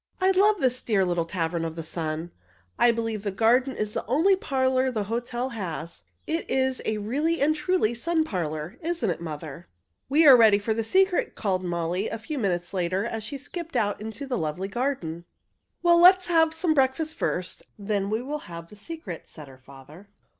I love this dear little 'Tavern of the Sun'! I believe the garden is the only parlor the hotel has. It is a really and truly sun parlor, isn't it, mother?" "We are ready for the secret, father," called Molly, a few moments later, as she skipped out into the lovely garden. "Well, let us have some breakfast first. Then we will have the secret," said her father.